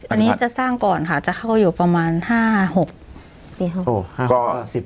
อันนี้จะสร้างก่อนค่ะจะเข้าอยู่ประมาณ๕๖๔๖๖